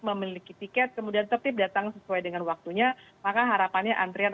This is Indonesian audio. memiliki tiket kemudian tertip datang sesuai dengan waktunya maka harapannya antrian